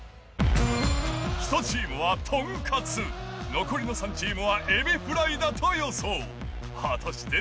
１チームはトンカツ、残りの３チームはエビフライだと予想。